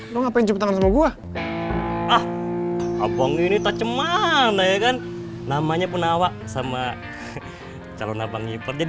lo ngapain jumpa gua ah abang ini tajam mana ya kan namanya pun awak sama calon abang hipot jadi